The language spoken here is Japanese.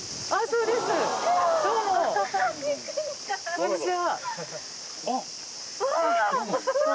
こんにちは。